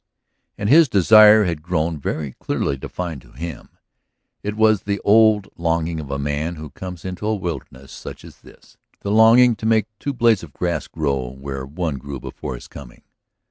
And his desire had grown very clearly defined to him; it was the old longing of a man who comes into a wilderness such as this, the longing to make two blades of grass grow where one grew before his coming.